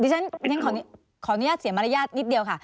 ฉันขออนุญาตเสียมารยาทนิดเดียวค่ะ